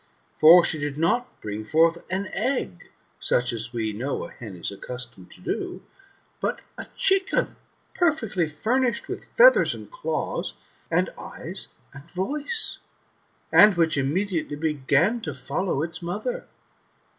For she did not brinij; forth an egg;, such as we know a hen is accustomed to dO| but a chicken, perfectly furnished with feathers and claws, and eyes and voice ; and which immediately began to follow its mother.